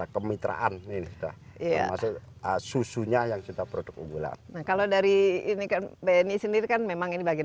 kemitraan susunya yang kita produk unggulan kalau dari ini kan ini sendiri kan memang ini bagian